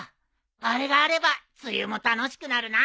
あれがあれば梅雨も楽しくなるな。